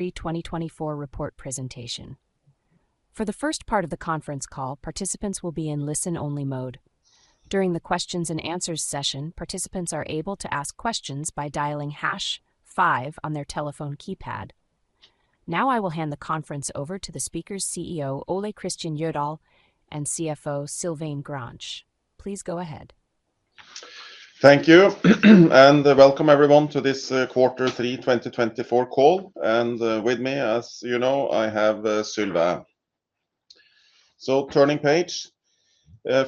Q3 2024 report presentation. For the first part of the conference call, participants will be in listen-only mode. During the questions and answers session, participants are able to ask questions by dialing hash five on their telephone keypad. Now, I will hand the conference over to the speaker's CEO, Ole Kristian Jødahl, and CFO, Sylvain Grange. Please go ahead. Thank you, and welcome everyone to this Q3 2024 call. And with me, as you know, I have Sylvain. So turning page.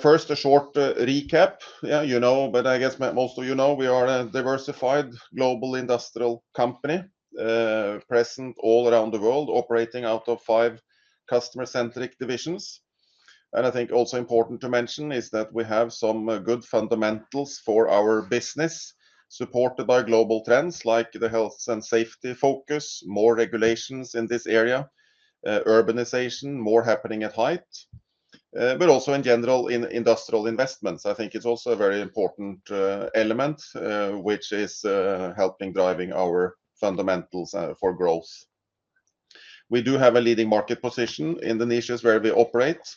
First, a short recap. Yeah, you know, but I guess most of you know, we are a diversified global industrial company, present all around the world, operating out of five customer-centric divisions. And I think also important to mention is that we have some good fundamentals for our business, supported by global trends like the health and safety focus, more regulations in this area, urbanization, more happening at height, but also in general, in industrial investments. I think it's also a very important element, which is helping driving our fundamentals for growth. We do have a leading market position in the niches where we operate.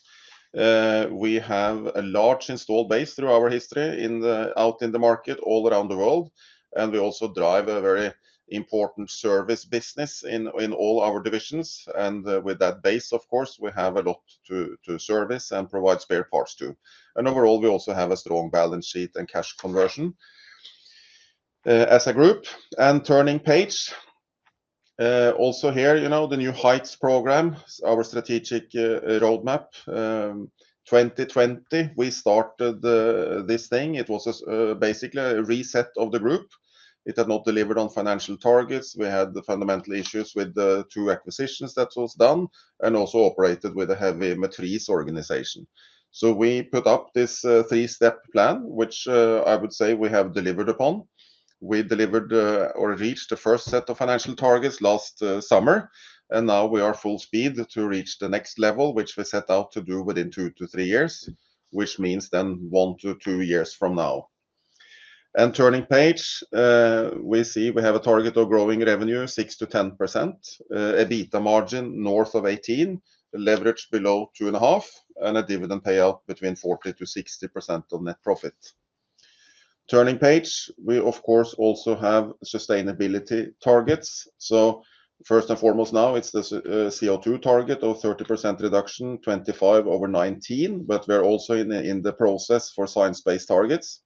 We have a large installed base through our history in the market all around the world, and we also drive a very important service business in all our divisions. With that base, of course, we have a lot to service and provide spare parts, too. Overall, we also have a strong balance sheet and cash conversion as a group. Turning page. Also here, you know, the New Heights program, our strategic roadmap. In 2020, we started this thing. It was basically a reset of the group. It had not delivered on financial targets. We had the fundamental issues with the two acquisitions that was done and also operated with a heavy matrix organization. So we put up this three-step plan, which I would say we have delivered upon. We delivered or reached the first set of financial targets last summer, and now we are full speed to reach the next level, which we set out to do within two to three years, which means then one to two years from now. And turning page, we see we have a target of growing revenue 6%-10%, EBITDA margin north of 18%, leverage below 2.5, and a dividend payout between 40%-60% of net profit. Turning page. We, of course, also have sustainability targets. So first and foremost, now it's the CO2 target of 30% reduction, 2025 over 2019, but we're also in the process for science-based targets.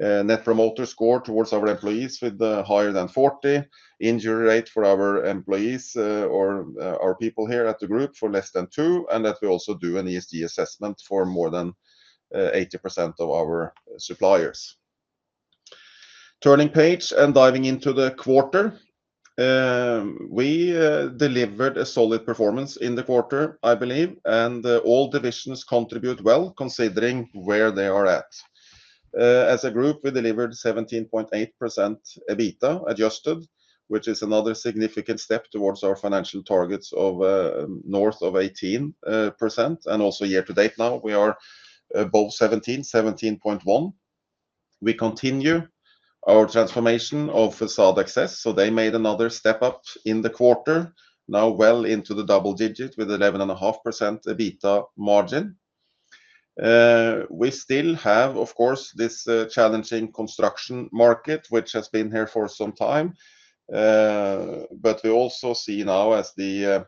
Net Promoter Score towards our employees with the higher than 40, injury rate for our employees, or our people here at the group for less than 2, and that we also do an ESG assessment for more than 80% of our suppliers. Turning page and diving into the quarter. We delivered a solid performance in the quarter, I believe, and all divisions contribute well, considering where they are at. As a group, we delivered 17.8% EBITDA adjusted, which is another significant step towards our financial targets of north of 18%. And also year to date now, we are above 17, 17.1. We continue our transformation of Façade Access, so they made another step up in the quarter, now well into the double digit with 11.5% EBITDA margin. We still have, of course, this challenging construction market, which has been here for some time. But we also see now as the,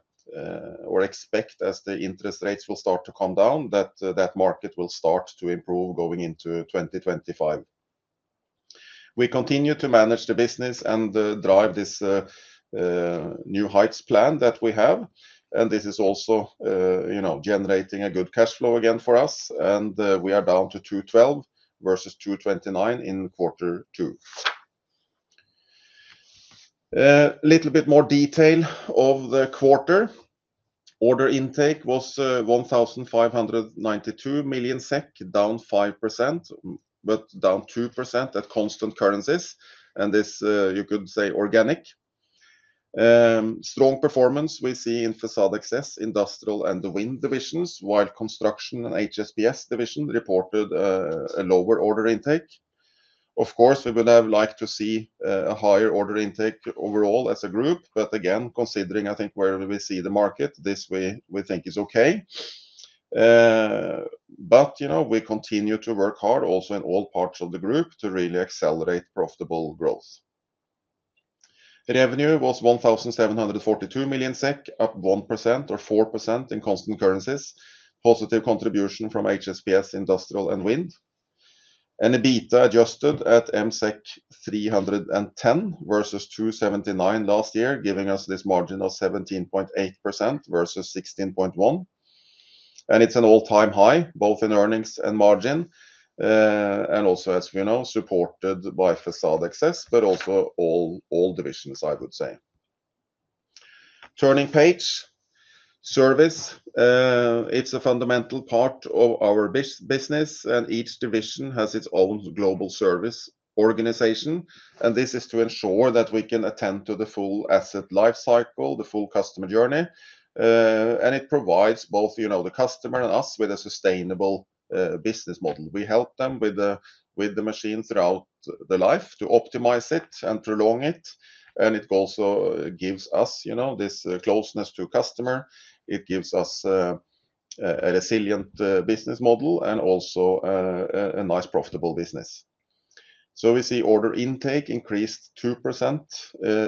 or expect as the interest rates will start to come down, that that market will start to improve going into twenty twenty-five. We continue to manage the business and drive this New Heights plan that we have, and this is also, you know, generating a good cash flow again for us, and we are down to 212 versus 229 in Q2. Little bit more detail of the quarter. Order intake was 1,592 million SEK, down 5%, but down 2% at constant currencies. And this you could say organic. Strong performance we see in Façade Access, Industrial, and the Wind divisions, while Construction and HSPS division reported a lower order intake. Of course, we would have liked to see a higher order intake overall as a group, but again, considering, I think, where we see the market, this way we think is okay. But, you know, we continue to work hard also in all parts of the group to really accelerate profitable growth. Revenue was 1,742 million SEK, up 1% or 4% in constant currencies. Positive contribution from HSBS, Industrial, and Wind. And EBITDA adjusted at MSEK 310 versus 279 last year, giving us this margin of 17.8% versus 16.1%. It's an all-time high, both in earnings and margin, and also, as you know, supported by Façade Access, but also all divisions, I would say. Turning page. Service, it's a fundamental part of our business, and each division has its own global service organization, and this is to ensure that we can attend to the full asset life cycle, the full customer journey, and it provides both, you know, the customer and us with a sustainable business model. We help them with the machine throughout the life to optimize it and prolong it, and it also gives us, you know, this closeness to customer. It gives us a resilient business model and also a nice profitable business. So we see order intake increased 2%,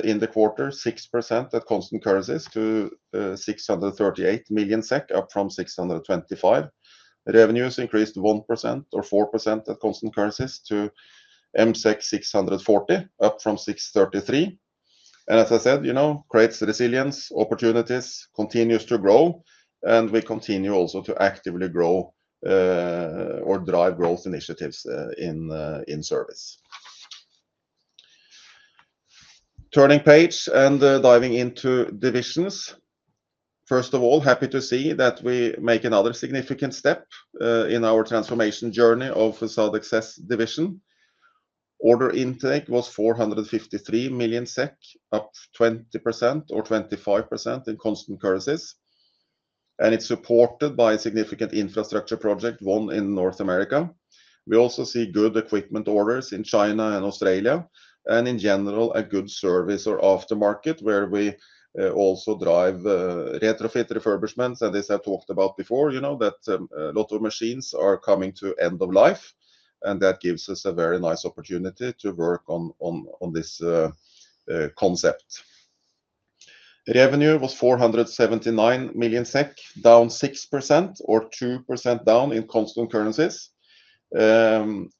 in the quarter, 6% at constant currencies to 638 million SEK, up from 625 million. Revenues increased 1% or 4% at constant currencies to 640 million, up from 633. And as I said, you know, creates resilience, opportunities, continues to grow, and we continue also to actively grow, or drive growth initiatives, in service. Turning page and diving into divisions. First of all, happy to see that we make another significant step in our transformation journey of the Construction Division. Order intake was 453 million SEK, up 20% or 25% in constant currencies, and it's supported by a significant infrastructure project, one in North America. We also see good equipment orders in China and Australia and in general, a good service or aftermarket, where we also drive retrofit refurbishments. And this I've talked about before, you know that a lot of machines are coming to end of life, and that gives us a very nice opportunity to work on this concept. Revenue was 479 million SEK, down 6% or 2% down in constant currencies. And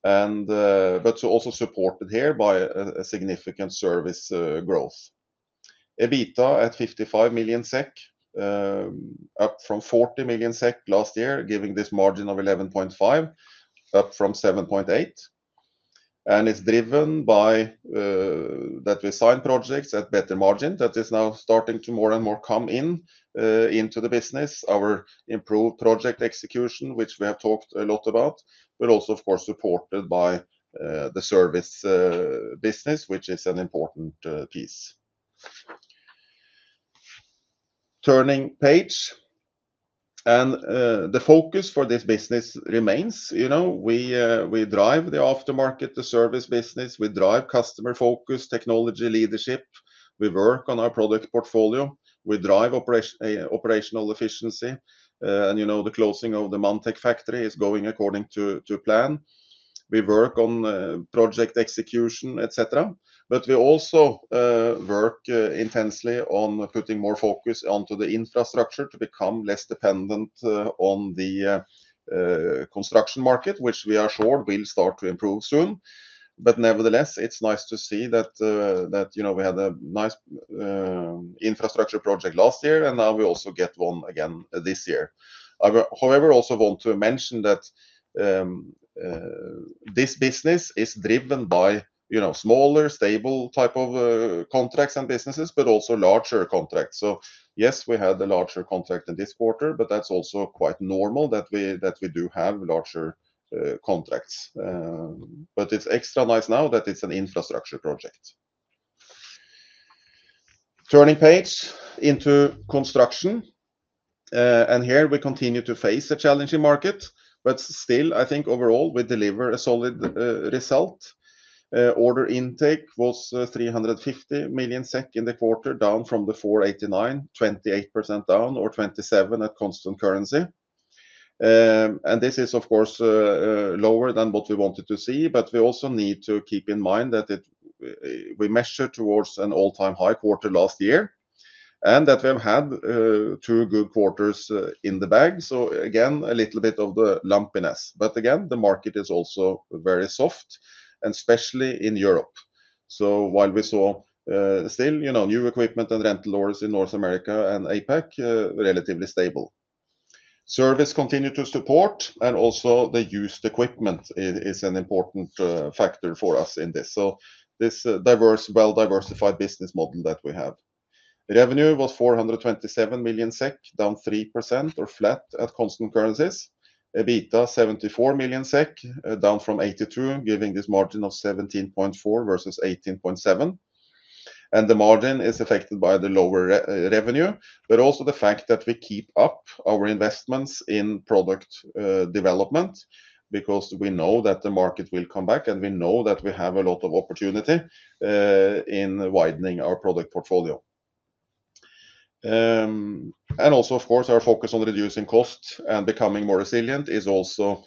but also supported here by a significant service growth. EBITDA at 55 million SEK, up from 40 million SEK last year, giving this margin of 11.5, up from 7.8. And it's driven by that we sign projects at better margin. That is now starting to more and more come in into the business. Our improved project execution, which we have talked a lot about, but also, of course, supported by the service business, which is an important piece. Turning page, and the focus for this business remains. You know, we drive the aftermarket, the service business, we drive customer focus, technology leadership. We work on our product portfolio. We drive operation, operational efficiency. And, you know, the closing of the Manntech factory is going according to plan. We work on project execution, et cetera, but we also work intensely on putting more focus onto the infrastructure to become less dependent on the construction market, which we are sure will start to improve soon. But nevertheless, it's nice to see that you know we had a nice infrastructure project last year, and now we also get one again this year. I however also want to mention that this business is driven by you know smaller stable type of contracts and businesses, but also larger contracts. So yes, we had a larger contract in this quarter, but that's also quite normal that we do have larger contracts. But it's extra nice now that it's an infrastructure project. Turning page into construction, and here we continue to face a challenging market, but still, I think overall we deliver a solid result. Order intake was 350 million SEK in the quarter, down from 489, 28% down or 27% at constant currency. And this is, of course, lower than what we wanted to see, but we also need to keep in mind that it, we measured towards an all-time high quarter last year, and that we have had Q2 in the bag. So again, a little bit of the lumpiness. But again, the market is also very soft, and especially in Europe. So while we saw still, you know, new equipment and rental orders in North America and APAC, relatively stable. Service continued to support, and also the used equipment is an important factor for us in this. So this diverse, well-diversified business model that we have. Revenue was 427 million SEK, down 3% or flat at constant currency. EBITDA, 74 million SEK, down from 82 million, giving this margin of 17.4% versus 18.7%. And the margin is affected by the lower revenue, but also the fact that we keep up our investments in product development, because we know that the market will come back, and we know that we have a lot of opportunity in widening our product portfolio. And also, of course, our focus on reducing costs and becoming more resilient is also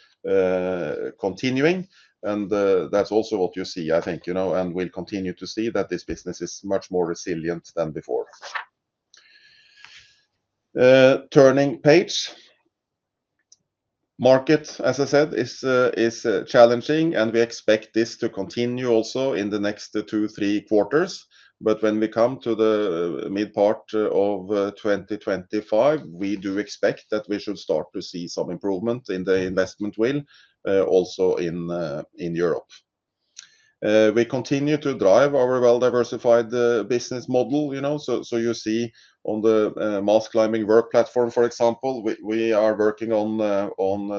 continuing. And that's also what you see, I think, you know, and we'll continue to see that this business is much more resilient than before. Turning page. Market, as I said, is challenging, and we expect this to continue also in the next Q2,3. When we come to the mid part of twenty twenty-five, we do expect that we should start to see some improvement in the Wind also in Europe. We continue to drive our well-diversified business model, you know, so you see on the mast climbing work platform, for example, we are working on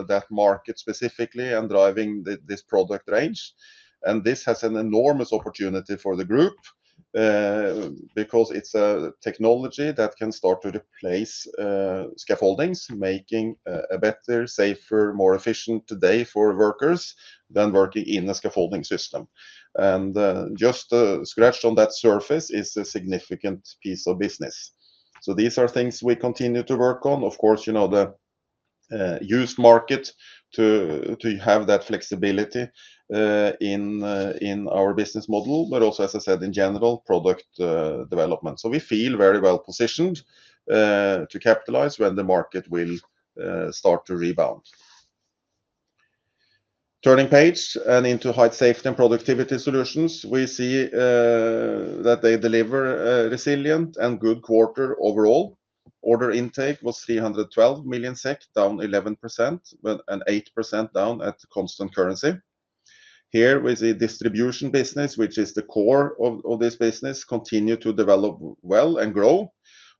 that market specifically and driving this product range. This has an enormous opportunity for the group because it's a technology that can start to replace scaffolding, making a better, safer, more efficient way for workers than working in a scaffolding system. Just scratched the surface is a significant piece of business, these are things we continue to work on. Of course, you know, the-... used market to have that flexibility in our business model, but also, as I said, in general product development. So we feel very well positioned to capitalize when the market will start to rebound. Turning page and into Height Safety and Productivity Solutions, we see that they deliver a resilient and good quarter overall. Order intake was 312 million SEK, down 11%, but 8% down at constant currency. Here, we see distribution business, which is the core of this business, continue to develop well and grow,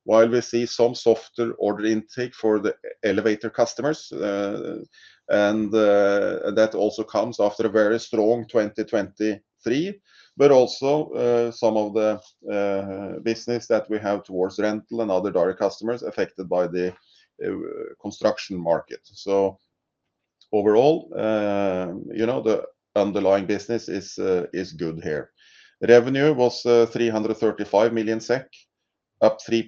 while we see some softer order intake for the elevator customers. That also comes after a very strong 2023, but also, some of the business that we have towards rental and other direct customers affected by the construction market. So overall, you know, the underlying business is good here. Revenue was 335 million SEK, up 3%,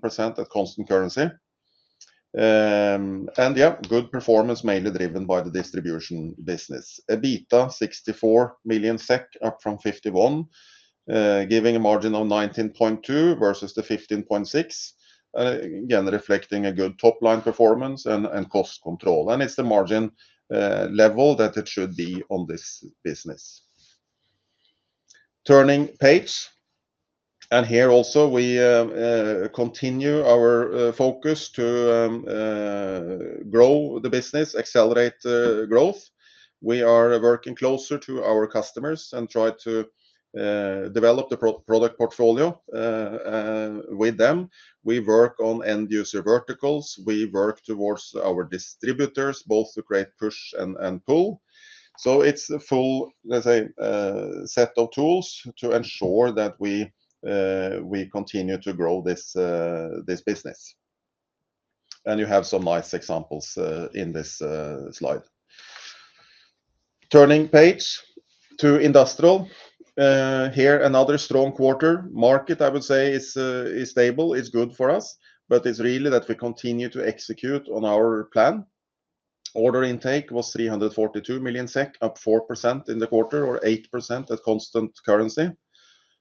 7% at constant currency. And yeah, good performance, mainly driven by the distribution business. EBITDA, 64 million SEK, up from 51, giving a margin of 19.2% versus the 15.6%. Again, reflecting a good top-line performance and cost control, and it's the margin level that it should be on this business. Turning page, and here also we continue our focus to grow the business, accelerate growth. We are working closer to our customers and try to develop the product portfolio with them. We work on end-user verticals. We work towards our distributors, both to create push and pull. So it's a full, let's say, set of tools to ensure that we continue to grow this business. And you have some nice examples in this slide. Turning page to Industrial. Here, another strong quarter. Market, I would say, is stable, is good for us, but it's really that we continue to execute on our plan. Order intake was 342 million SEK, up 4% in the quarter or 8% at constant currency.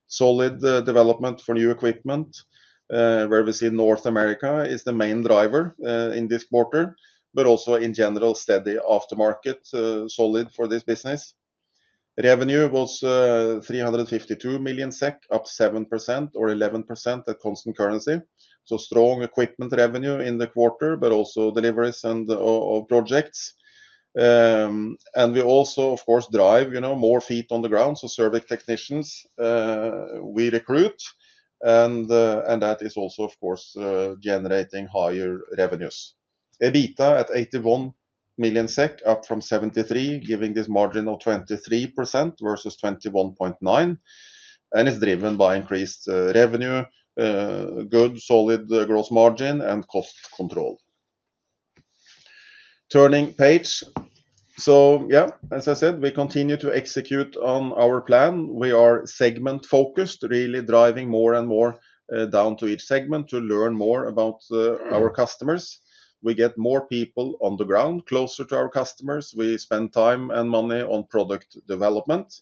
Solid development for new equipment, where we see North America is the main driver in this quarter, but also in general, steady aftermarket, solid for this business. Revenue was 352 million SEK, up 7% or 11% at constant currency. So strong equipment revenue in the quarter, but also deliveries and projects. And we also, of course, drive, you know, more feet on the ground, so service technicians, we recruit, and that is also, of course, generating higher revenues. EBITDA at 81 million SEK, up from 73, giving this margin of 23% versus 21.9%, and is driven by increased revenue, good solid gross margin, and cost control. Turning page. So yeah, as I said, we continue to execute on our plan. We are segment-focused, really driving more and more down to each segment to learn more about our customers. We get more people on the ground, closer to our customers. We spend time and money on product development,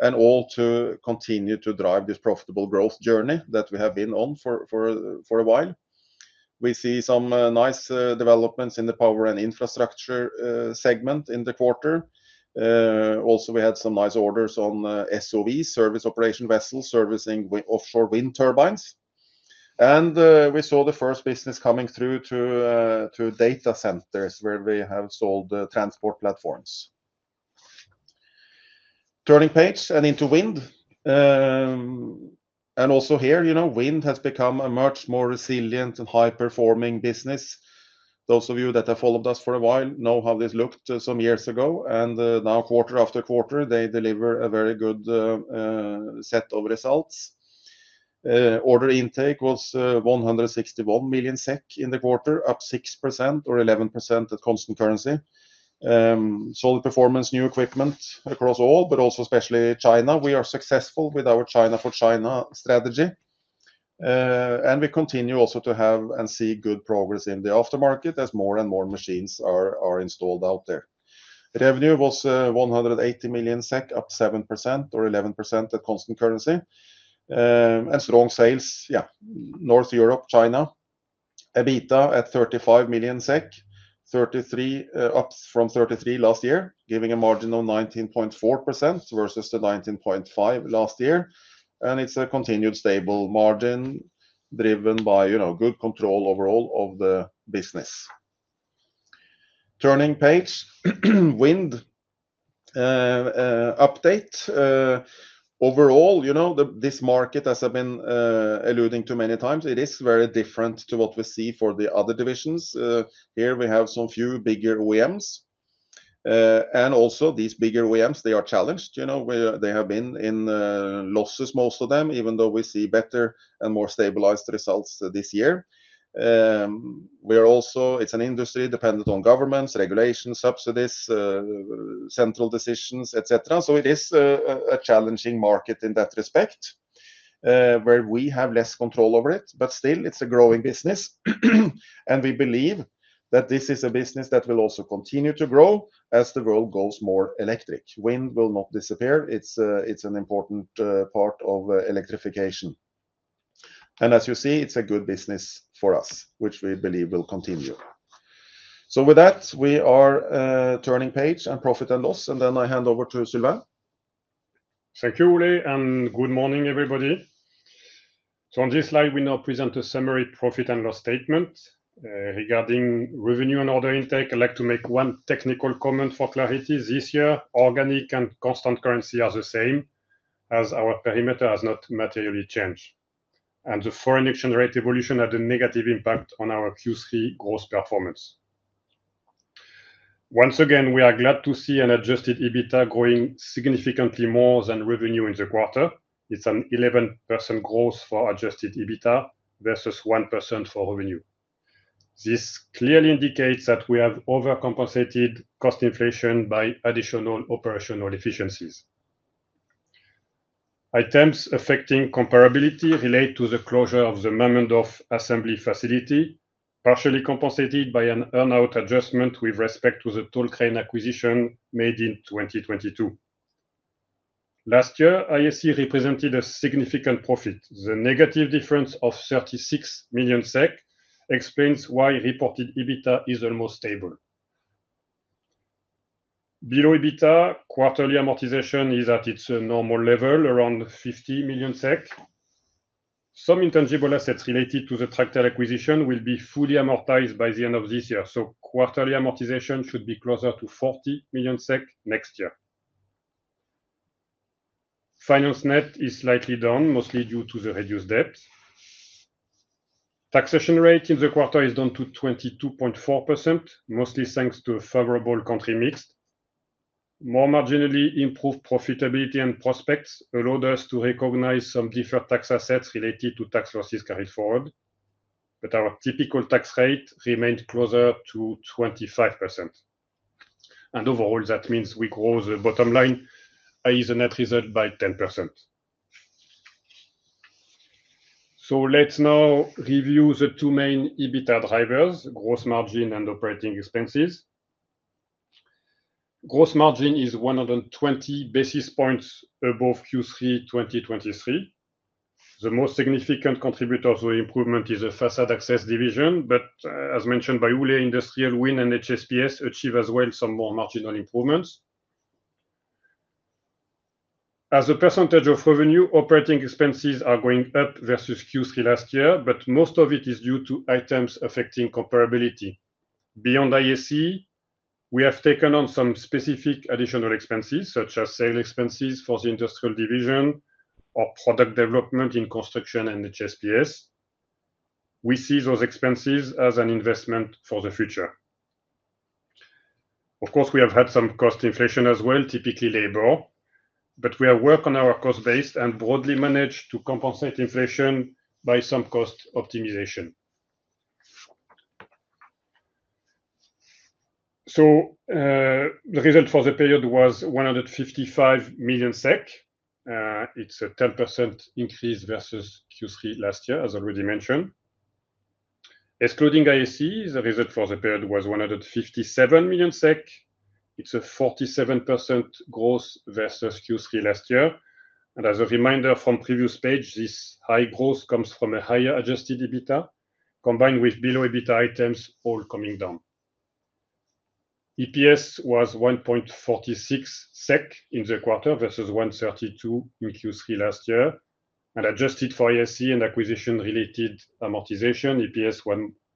and all to continue to drive this profitable growth journey that we have been on for a while. We see some nice developments in the Power and Infrastructure segment in the quarter. Also, we had some nice orders on SOV, Service Operation Vessels, servicing offshore wind turbines, and we saw the first business coming through to data centers, where we have sold transport platforms. Turning page and into Wind, and also here, you know, Wind has become a much more resilient and high-performing business. Those of you that have followed us for a while know how this looked some years ago, and now, quarter- after- quarter, they deliver a very good set of results. Order intake was 161 million SEK in the quarter, up 6% or 11% at constant currency. Solid performance, new equipment across all, but also especially China. We are successful with our China for China strategy, and we continue also to have and see good progress in the aftermarket as more and more machines are installed out there. Revenue was 180 million SEK, up 7% or 11% at constant currency. A strong sales, yeah, North Europe, China. EBITDA at 35 million SEK, 33, up from 33 last year, giving a margin of 19.4% versus the 19.5% last year, and it's a continued stable margin driven by, you know, good control overall of the business. Turning page, Wind update. Overall, you know, this market, as I've been alluding to many times, it is very different to what we see for the other divisions. Here we have some few bigger OEMs, and also these bigger OEMs, they are challenged, you know, where they have been in losses, most of them, even though we see better and more stabilized results this year. It's an industry dependent on governments, regulations, subsidies, central decisions, et cetera. So it is a challenging market in that respect, where we have less control over it, but still it's a growing business. And we believe that this is a business that will also continue to grow as the world goes more electric. Wind will not disappear. It's an important part of electrification. ... and as you see, it's a good business for us, which we believe will continue. So with that, we are turning page on profit and loss, and then I hand over to Sylvain. Thank you, Ole, and good morning, everybody. So on this slide, we now present a summary profit and loss statement. Regarding revenue and order intake, I'd like to make one technical comment for clarity. This year, organic and constant currency are the same, as our perimeter has not materially changed, and the foreign exchange rate evolution had a negative impact on our Q3 gross performance. Once again, we are glad to see an adjusted EBITDA growing significantly more than revenue in the quarter. It's an 11% growth for adjusted EBITDA versus 1% for revenue. This clearly indicates that we have overcompensated cost inflation by additional operational efficiencies. Items affecting comparability relate to the closure of the Memmingen assembly facility, partially compensated by an earn-out adjustment with respect to the Tall Crane acquisition made in twenty twenty-two. Last year, IAC represented a significant profit. The negative difference of 36 million SEK explains why reported EBITDA is almost stable. Below EBITDA, quarterly amortization is at its normal level, around 50 million SEK. Some intangible assets related to the Tractel acquisition will be fully amortized by the end of this year, so quarterly amortization should be closer to 40 million SEK next year. Finance net is slightly down, mostly due to the reduced debt. Taxation rate in the quarter is down to 22.4%, mostly thanks to a favorable country mix. More marginally improved profitability and prospects allowed us to recognize some deferred tax assets related to tax losses carried forward, but our typical tax rate remained closer to 25%. And overall, that means we grow the bottom line, i.e., the net result, by 10%. So let's now review the two main EBITDA drivers: gross margin and operating expenses. Gross margin is 100 basis points above Q3 2023. The most significant contributor to the improvement is the Façade Access division, but, as mentioned by Ole, Industrial, Wind, and HSPS achieve as well some more marginal improvements. As a percentage of revenue, operating expenses are going up versus Q3 last year, but most of it is due to items affecting comparability. Beyond IAC, we have taken on some specific additional expenses, such as sales expenses for the Industrial division or product development in Construction and HSPS. We see those expenses as an investment for the future. Of course, we have had some cost inflation as well, typically labor, but we are working on our cost base and broadly manage to compensate inflation by some cost optimization. So, the result for the period was 155 million SEK. It's a 10% increase versus Q3 last year, as already mentioned. Excluding IAC, the result for the period was 157 million SEK. It's a 47% growth versus Q3 last year, and as a reminder from previous page, this high growth comes from a higher adjusted EBITDA, combined with below EBITDA items, all coming down. EPS was 1.46 SEK in the quarter, versus 1.32 in Q3 last year, and adjusted for IAC and acquisition-related amortization, EPS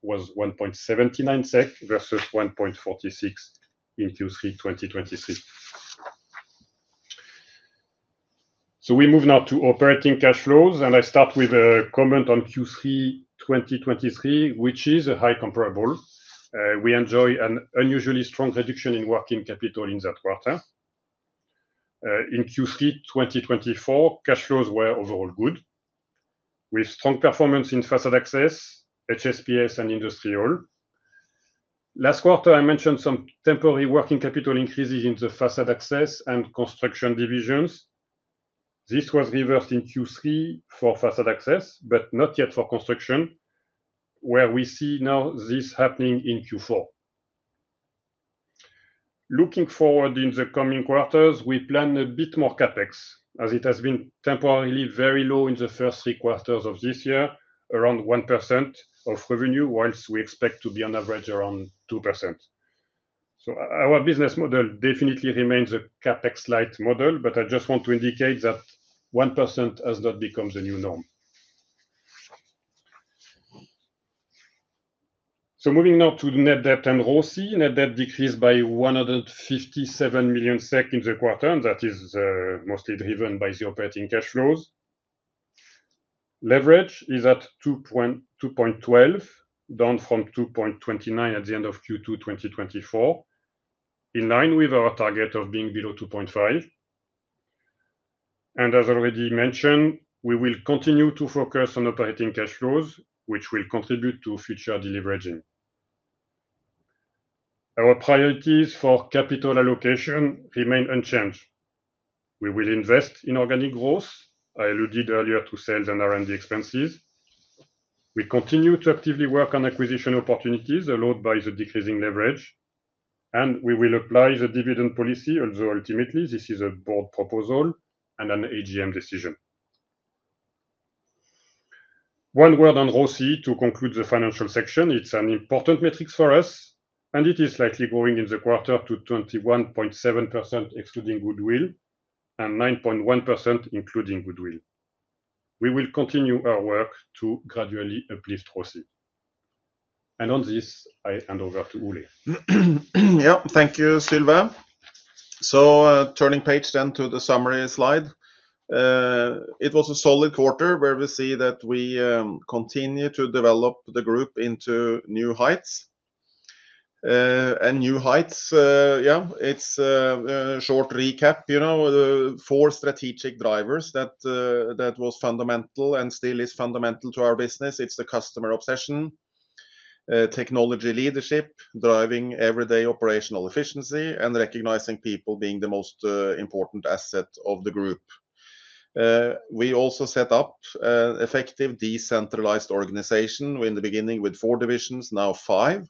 was 1.79 SEK versus 1.46 in Q3 2023. We move now to operating cash flows, and I start with a comment on Q3 2023, which is a high comparable. We enjoy an unusually strong reduction in working capital in that quarter. In Q3, twenty twenty-four, cash flows were overall good, with strong performance in Façade Access, HSPS, and Industrial. Last quarter, I mentioned some temporary working capital increases in the Façade Access and Construction divisions. This was reversed in Q3 for Façade Access, but not yet for Construction, where we see now this happening in Q4. Looking forward in the coming quarters, we plan a bit more CapEx, as it has been temporarily very low in the first Q3 of this year, around 1% of revenue, while we expect to be on average around 2%. So our business model definitely remains a CapEx-light model, but I just want to indicate that 1% has not become the new norm, so moving now to the net debt and ROCE. Net debt decreased by 157 million SEK in the quarter, and that is mostly driven by the operating cash flows. Leverage is at 2.12, down from 2.29 at the end of Q2 2024, in line with our target of being below 2.5. And as already mentioned, we will continue to focus on operating cash flows, which will contribute to future deleveraging. Our priorities for capital allocation remain unchanged. We will invest in organic growth. I alluded earlier to sales and R&D expenses. We continue to actively work on acquisition opportunities allowed by the decreasing leverage... and we will apply the dividend policy, although ultimately this is a board proposal and an AGM decision. One word on ROCE to conclude the financial section. It's an important metric for us, and it is slightly growing in the quarter to 21.7%, excluding goodwill, and 9.1%, including goodwill. We will continue our work to gradually uplift ROCE. And on this, I hand over to Ole. Yeah. Thank you, Sylvain. So, turning page then to the summary slide. It was a solid quarter where we see that we continue to develop the group into new heights. And new heights, yeah, it's a short recap, you know, the four strategic drivers that that was fundamental and still is fundamental to our business. It's the customer obsession, technology leadership, driving everyday operational efficiency, and recognizing people being the most important asset of the group. We also set up effective decentralized organization in the beginning with four divisions, now five,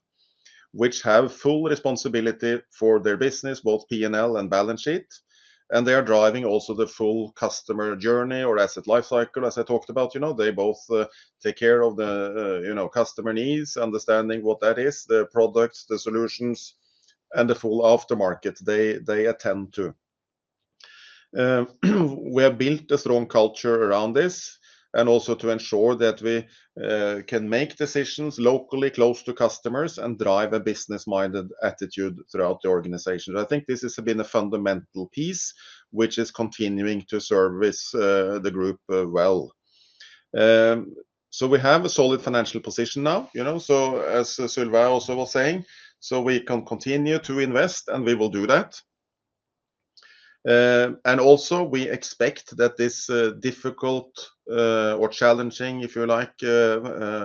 which have full responsibility for their business, both P&L and balance sheet, and they are driving also the full customer journey or asset life cycle, as I talked about. You know, they both take care of the, you know, customer needs, understanding what that is, the products, the solutions, and the full aftermarket they attend to. We have built a strong culture around this, and also to ensure that we can make decisions locally, close to customers, and drive a business-minded attitude throughout the organization. I think this has been a fundamental piece, which is continuing to service the group well. So we have a solid financial position now, you know, so as Sylvain also was saying, so we can continue to invest, and we will do that. And also we expect that this difficult or challenging, if you like,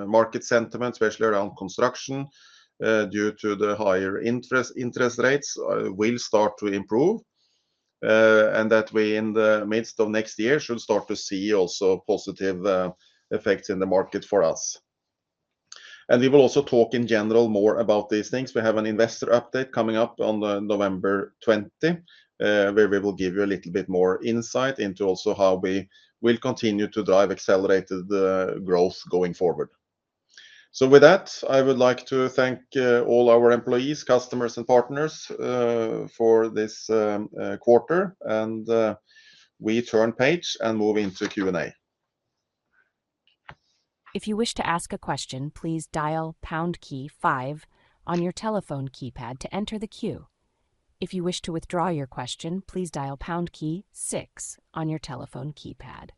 market sentiment, especially around construction due to the higher interest rates will start to improve. And that we, in the midst of next year, should start to see also positive effects in the market for us. And we will also talk in general more about these things. We have an investor update coming up on the November twenty, where we will give you a little bit more insight into also how we will continue to drive accelerated growth going forward. So with that, I would like to thank all our employees, customers, and partners for this quarter, and we turn page and move into Q&A. If you wish to ask a question, please dial pound key five on your telephone keypad to enter the queue. If you wish to withdraw your question, please dial pound key six on your telephone keypad.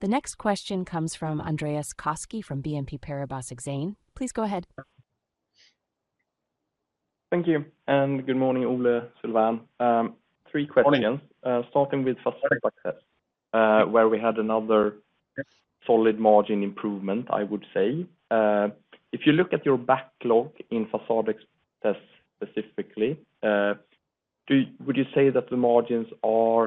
The next question comes from Andreas Koski, from BNP Paribas Exane. Please go ahead. Thank you, and good morning, Ole, Sylvain. Three questions. Morning. Starting with façade access, where we had another- Yes... solid margin improvement, I would say. If you look at your backlog in façade access specifically, would you say that the margins are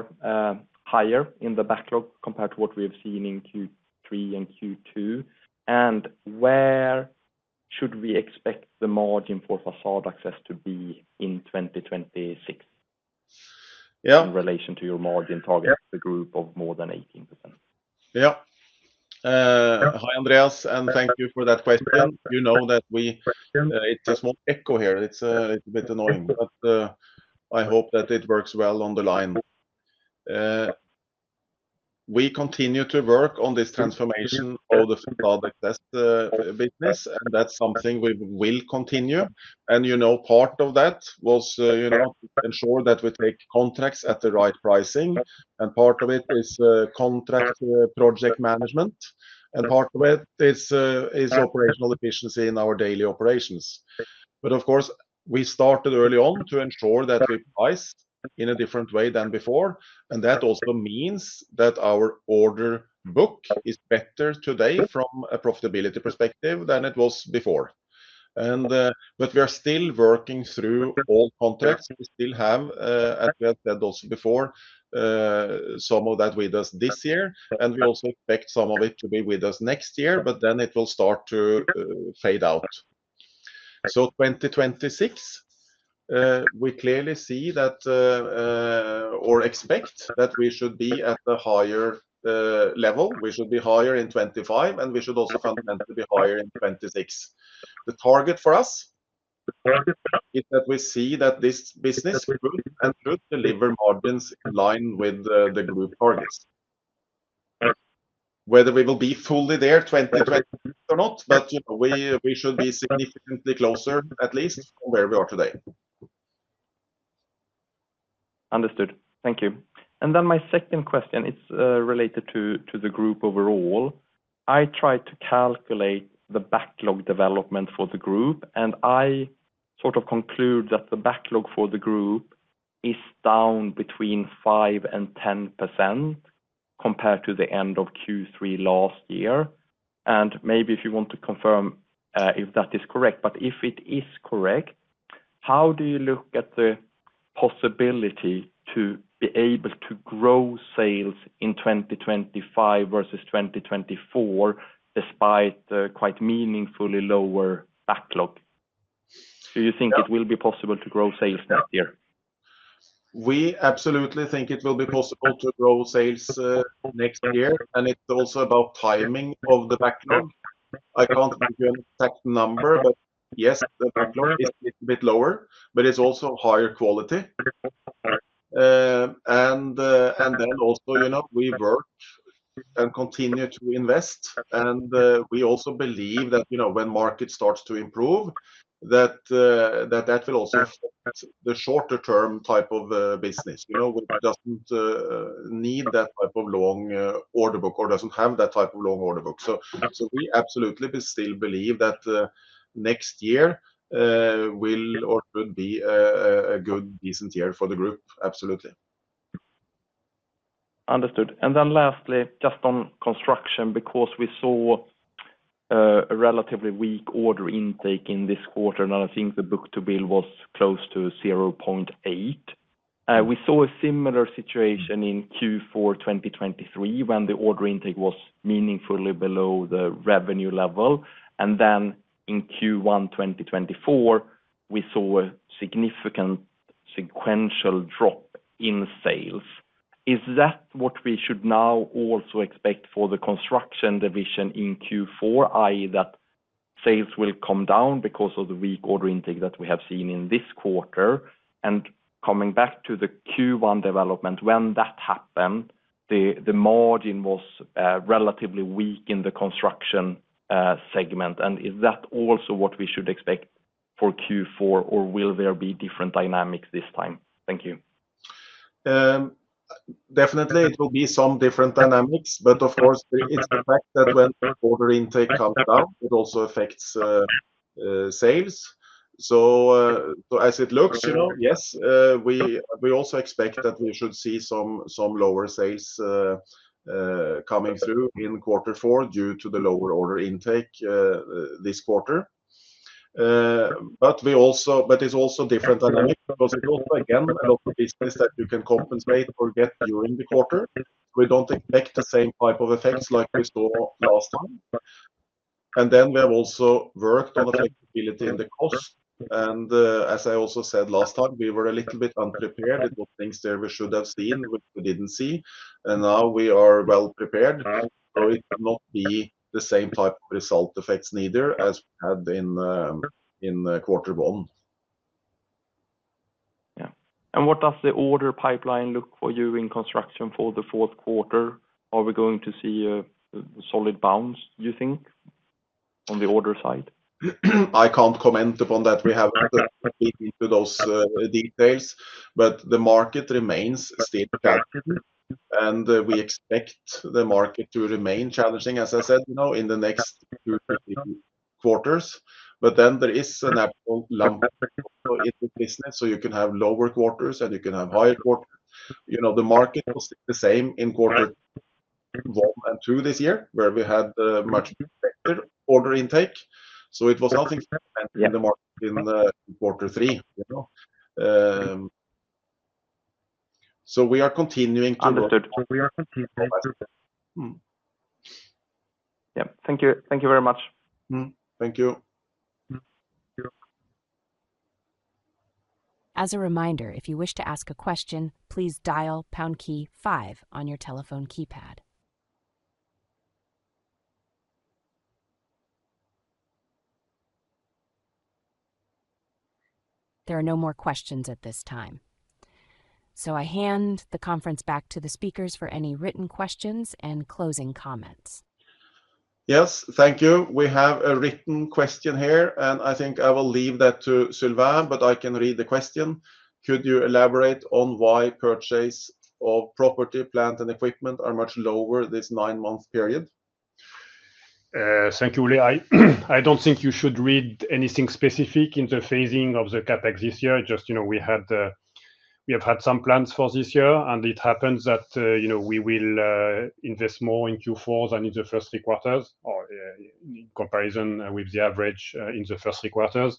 higher in the backlog compared to what we have seen in Q3 and Q2? And where should we expect the margin for façade access to be in 2026- Yeah... in relation to your margin target, the group of more than 18%? Yeah. Hi, Andreas, and thank you for that question. You know that we- Question. It's a small echo here. It's a bit annoying, but I hope that it works well on the line. We continue to work on this transformation of the façade access business, and that's something we will continue. And you know, part of that was you know ensure that we take contracts at the right pricing, and part of it is contract project management, and part of it is operational efficiency in our daily operations. But of course, we started early on to ensure that we priced in a different way than before, and that also means that our order book is better today from a profitability perspective than it was before. But we are still working through all contracts. We still have, as I said also before, some of that with us this year, and we also expect some of it to be with us next year, but then it will start to fade out so 2026 we clearly see that or expect that we should be at a higher level. We should be higher in 2025, and we should also fundamentally be higher in 2026. The target for us is that we see that this business will and should deliver margins in line with the group targets. Whether we will be fully there 2026 or not, but we should be significantly closer, at least, from where we are today. Understood. Thank you. Then my second question is related to the group overall. I tried to calculate the backlog development for the group, and I sort of conclude that the backlog for the group is down between 5% and 10% compared to the end of Q3 last year. And maybe if you want to confirm if that is correct, but if it is correct, how do you look at the possibility to be able to grow sales in 2025 versus 2024, despite the quite meaningfully lower backlog? Do you think it will be possible to grow sales next year? We absolutely think it will be possible to grow sales next year, and it's also about timing of the backlog. I can't give you an exact number, but yes, the backlog is a bit lower, but it's also higher quality. And then also, you know, we work and continue to invest, and we also believe that, you know, when market starts to improve, that will also the shorter-term type of business. You know, it doesn't need that type of long order book or doesn't have that type of long order book. So we absolutely still believe that next year will or could be a good decent year for the group. Absolutely. Understood, and then lastly, just on construction, because we saw a relatively weak order intake in this quarter, and I think the book-to-bill was close to 0.8. We saw a similar situation in Q4 2023, when the order intake was meaningfully below the revenue level, and then in Q1 2024, we saw a significant sequential drop in sales. Is that what we should now also expect for the construction division in Q4, i.e., that sales will come down because of the weak order intake that we have seen in this quarter, and coming back to the Q1 development, when that happened, the margin was relatively weak in the construction segment, and is that also what we should expect for Q4, or will there be different dynamics this time? Thank you. Definitely it will be some different dynamics, but of course, it's the fact that when order intake comes down, it also affects sales. So, as it looks, you know, yes, we also expect that we should see some lower sales coming through in quarter four due to the lower order intake this quarter. But it's also different dynamic because it also, again, a lot of business that you can compensate or get during the quarter. We don't expect the same type of effects like we saw last time. And then we have also worked on the flexibility and the cost, and, as I also said last time, we were a little bit unprepared. There were things there we should have seen, which we didn't see, and now we are well prepared, so it will not be the same type of result effects neither as we had in Q1. Yeah. And what does the order pipeline look like for you in construction for the Q4? Are we going to see a solid bounce, do you think, on the order side? I can't comment upon that. We have look into those details, but the market remains still challenging, and we expect the market to remain challenging, as I said, you know, in the next Q2,3. But then there is a natural lump in the business, so you can have lower quarters and you can have higher quarters. You know, the market was the same in Q1 and Q2 this year, where we had a much better order intake, so it was something in the market in Q3, you know? So we are continuing to- Understood. We are continuing. Mm. Yeah. Thank you. Thank you very much. Mm. Thank you. As a reminder, if you wish to ask a question, please dial pound key five on your telephone keypad. There are no more questions at this time, so I hand the conference back to the speakers for any written questions and closing comments. Yes. Thank you. We have a written question here, and I think I will leave that to Sylvain, but I can read the question: Could you elaborate on why purchase of property, plant, and equipment are much lower this nine-month period? Thank you, Ole. I don't think you should read anything specific in the phasing of the CapEx this year. Just, you know, we had, we have had some plans for this year, and it happens that, you know, we will invest more in Q4 than in the first Q3, or, in comparison with the average, in the first Q3.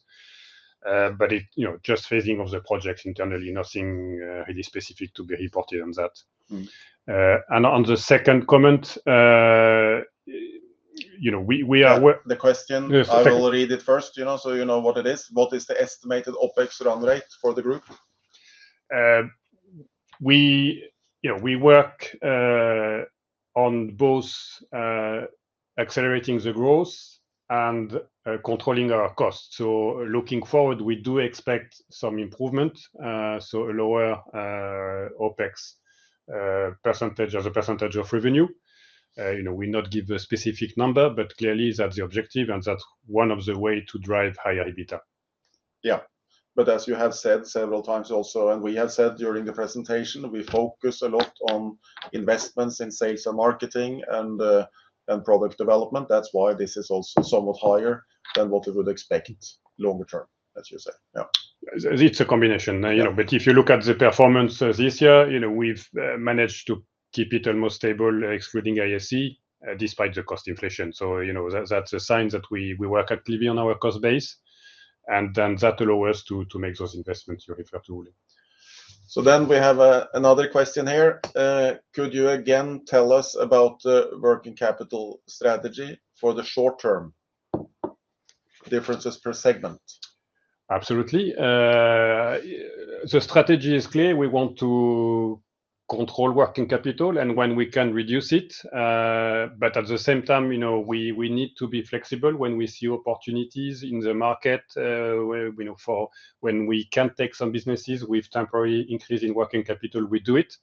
But it. You know, just phasing of the projects internally, nothing, really specific to be reported on that. Mm. And on the second comment, you know, we are work- The question- Yes. I will read it first, you know, so you know what it is. What is the estimated OpEx run rate for the group? You know, we work on both accelerating the growth and controlling our costs, so looking forward, we do expect some improvement, so a lower OpEx percentage as a percentage of revenue. You know, we not give a specific number, but clearly, that's the objective, and that's one of the way to drive higher EBITDA. Yeah, but as you have said several times also, and we have said during the presentation, we focus a lot on investments in sales and marketing and product development. That's why this is also somewhat higher than what we would expect longer term, as you say. Yeah. It's a combination, you know, but if you look at the performance this year, you know, we've managed to keep it almost stable, excluding IAC, despite the cost inflation. So, you know, that's a sign that we work actively on our cost base, and then that allows us to make those investments you refer to.... So then we have another question here. Could you again tell us about the working capital strategy for the short term, differences per segment? Absolutely. The strategy is clear. We want to control working capital and when we can reduce it, but at the same time, you know, we need to be flexible when we see opportunities in the market, where, you know, for when we can take some businesses with temporary increase in working capital, we do it,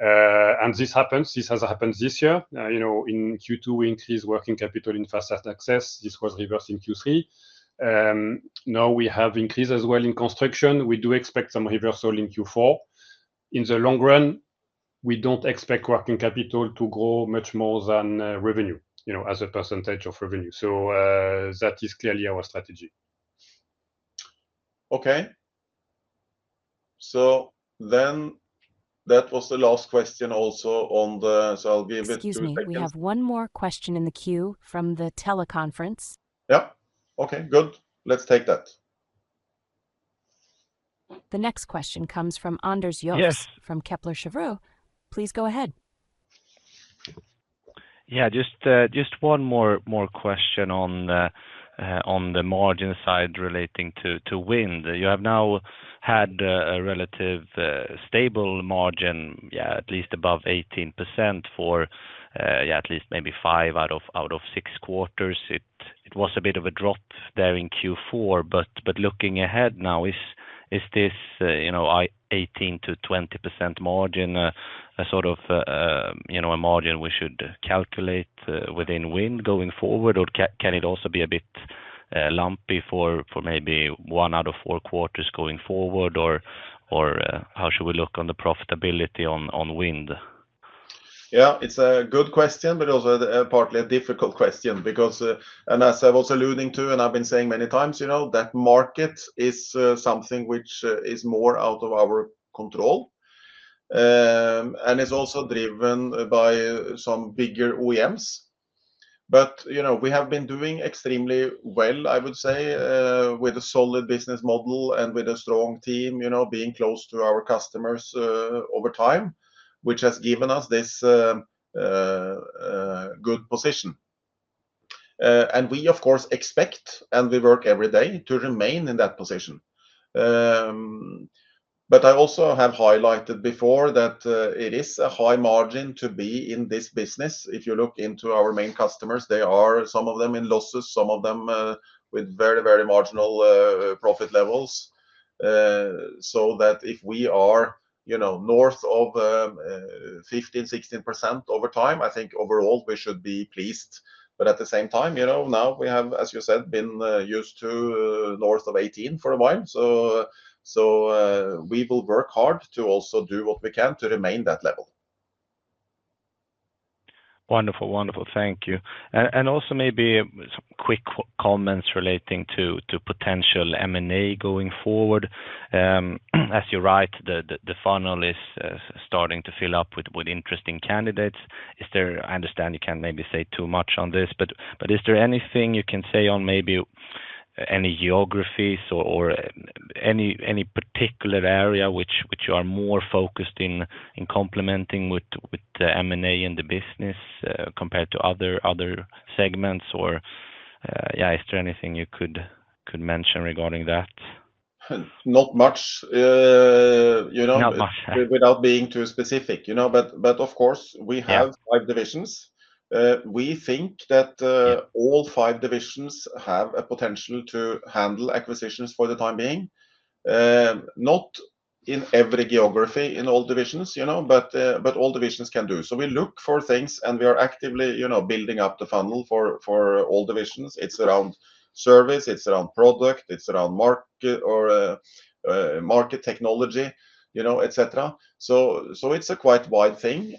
and this happens. This has happened this year. You know, in Q2, we increased working capital in Façade Access. This was reversed in Q3. Now we have increased as well in Construction. We do expect some reversal in Q4. In the long run, we don't expect working capital to grow much more than revenue, you know, as a percentage of revenue, so that is clearly our strategy. Okay. So then that was the last question also on the-- so I'll be with you a second. Excuse me, we have one more question in the queue from the teleconference. Yep. Okay, good. Let's take that. The next question comes from Anders Idborg- Yes... from Kepler Cheuvreux. Please go ahead. Yeah, just one more question on the margin side relating to wind. You have now had a relatively stable margin, yeah, at least above 18% for, yeah, at least maybe five out of Q6. It was a bit of a drop there in Q4, but looking ahead now, is this, you know, 18%-20% margin a sort of, you know, a margin we should calculate within wind going forward? Or can it also be a bit lumpy for maybe one out of Q4 going forward? Or how should we look on the profitability on wind? Yeah, it's a good question, but also partly a difficult question because and as I was alluding to, and I've been saying many times, you know, that market is something which is more out of our control and is also driven by some bigger OEMs, but you know, we have been doing extremely well, I would say, with a solid business model and with a strong team, you know, being close to our customers over time, which has given us this good position and we, of course, expect, and we work every day to remain in that position, but I also have highlighted before that it is a high margin to be in this business. If you look into our main customers, they are, some of them in losses, some of them with very, very marginal profit levels. So that if we are, you know, north of 15%-16% over time, I think overall we should be pleased. But at the same time, you know, now we have, as you said, been used to north of 18% for a while. So we will work hard to also do what we can to remain that level. Wonderful, wonderful. Thank you. And also maybe some quick comments relating to potential M&A going forward. As you're right, the funnel is starting to fill up with interesting candidates. Is there... I understand you can't maybe say too much on this, but is there anything you can say on maybe any geographies or any particular area which you are more focused in complementing with the M&A in the business, compared to other segments? Or, yeah, is there anything you could mention regarding that? Not much, you know- Not much... without being too specific, you know. But, but of course- Yeah... we have five divisions. We think that all five divisions have a potential to handle acquisitions for the time being. Not in every geography, in all divisions, you know, but all divisions can do. So we look for things, and we are actively, you know, building up the funnel for all divisions. It's around service, it's around product, it's around market or market technology, you know, et cetera. So it's a quite wide thing.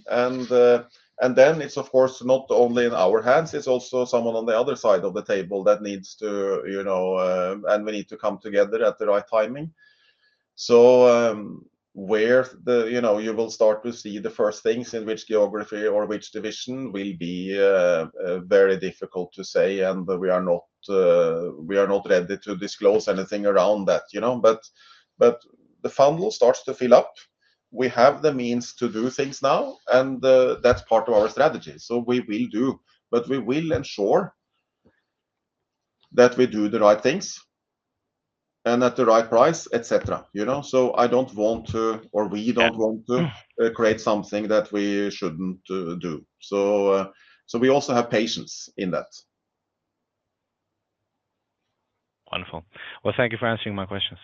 And then it's, of course, not only in our hands, it's also someone on the other side of the table that needs to, you know, and we need to come together at the right timing. So, where the, you know, you will start to see the first things in which geography or which division will be very difficult to say, and we are not ready to disclose anything around that, you know. But the funnel starts to fill up. We have the means to do things now, and that's part of our strategy. So we will do. But we will ensure that we do the right things and at the right price, et cetera, you know? So I don't want to, or we don't want to- Yeah... create something that we shouldn't do. So we also have patience in that. Wonderful. Well, thank you for answering my questions.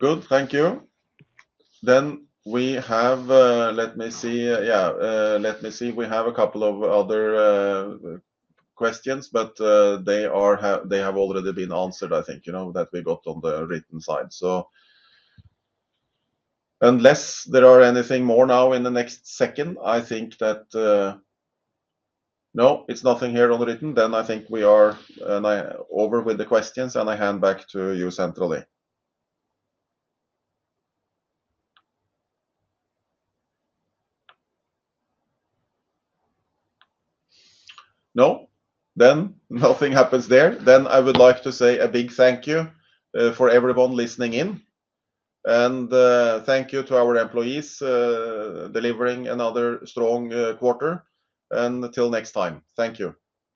Good. Thank you. Then we have, let me see. Yeah, let me see. We have a couple of other questions, but they have already been answered, I think, you know, that we got on the written side. So unless there are anything more now in the next second, I think that... No, it's nothing here on the written, then I think we are over with the questions, and I hand back to you centrally. No? Then nothing happens there. Then I would like to say a big thank you for everyone listening in, and thank you to our employees delivering another strong quarter, and till next time. Thank you.